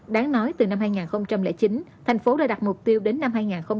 đáng nói từ năm hai nghìn chín thành phố đã đặt mục tiêu đến năm hai nghìn hai mươi